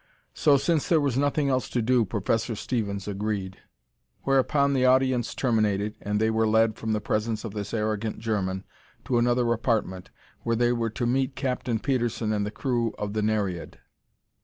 So, since there was nothing else to do, Professor Stevens agreed. Whereupon the audience terminated and they were led from the presence of this arrogant German to another apartment, where they were to meet Captain Petersen and the crew of the _Nereid.